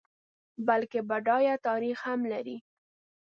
بلکه بډایه تاریخ هم لري.